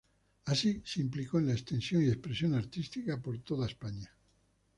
Así, se implicó en la extensión y expresión artística por toda España.